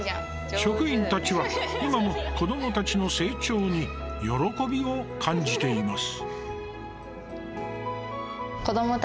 職員たちは今も子どもたちの成長に喜びを感じています。